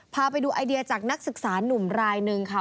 พาไปดูไอเดียจากนักศึกษานุ่มรายหนึ่งค่ะ